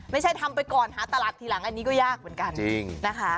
ไม่ใช่ทำไปก่อนหาตลาดทีหลังอันนี้ก็ยากเหมือนกันจริงนะคะ